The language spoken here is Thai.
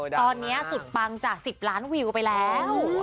ตอนนี้สุดปังจาก๑๐ล้านวิวไปแล้ว